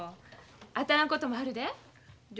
当たらんこともあるで。